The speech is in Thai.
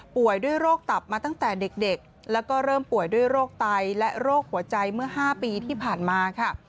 ด้วยโรคตับมาตั้งแต่เด็กแล้วก็เริ่มป่วยด้วยโรคไตและโรคหัวใจเมื่อ๕ปีที่ผ่านมาค่ะ